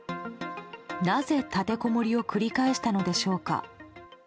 なぜ立てこもりを繰り返したのでしょうか。